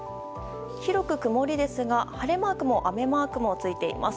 広く曇りですが、晴れマークも雨マークもついています。